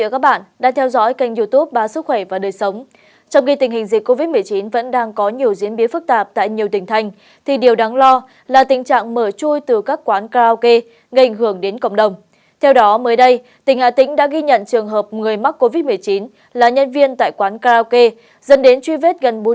các bạn hãy đăng ký kênh để ủng hộ kênh của chúng mình nhé